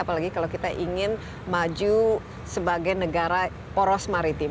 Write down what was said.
apalagi kalau kita ingin maju sebagai negara poros maritim